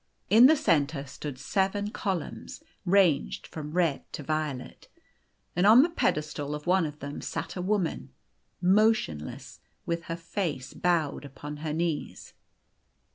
In the centre stood seven columns, ranged from red to violet. And on the pedestal of one of them sat a woman, motionless, with her face bowed upon her knees.